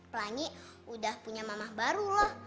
pelangi udah punya mamah baru loh